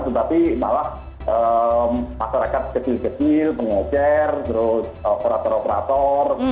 tetapi malah masyarakat kecil kecil pengecer terus operator operator